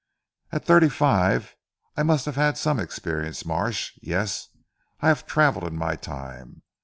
"At thirty five I must have had some experience Marsh. Yes! I have travelled in my time.